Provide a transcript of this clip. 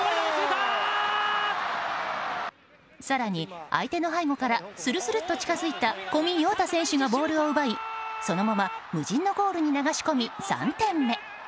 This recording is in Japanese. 更に相手の背後からするするっと近づいた小見洋太選手がボールを奪いそのまま無人のゴールに流し込み３点目。